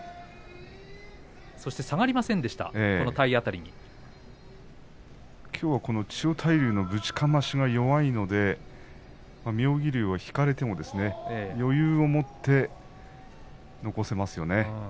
そして妙義龍は千代大龍の体当たりにきょうは千代大龍のぶちかましが弱いので妙義龍、引かれても余裕を持って残せますよね。